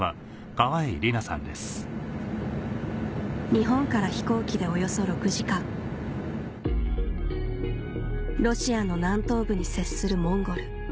日本から飛行機でおよそ６時間ロシアの南東部に接するモンゴル